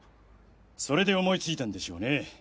それで思いついたんでしょうね。